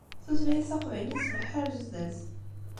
Tutlayt taqbaylit tleḥḥu ar zdat.